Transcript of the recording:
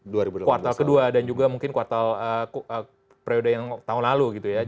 dan ini kuartal ke dua dan juga mungkin kuartal prioritas